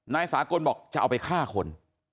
นายสากลบอกจะเอาไปฆ่าคน